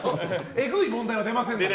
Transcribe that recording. えぐい問題は出ませんので。